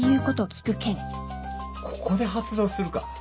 ここで発動するか